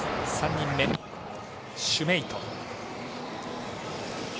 ３人目、シュメイト。